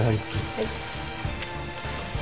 はい。